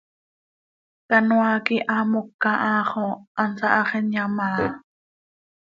Canoaa quih haa moca ha xo hansaa hax inyaam áa.